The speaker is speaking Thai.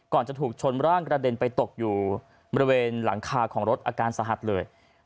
จะถูกชนร่างกระเด็นไปตกอยู่บริเวณหลังคาของรถอาการสาหัสเลย